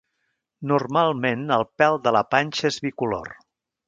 Normalment, el pèl de la panxa és bicolor.